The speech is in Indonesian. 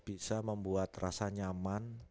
bisa membuat rasa nyaman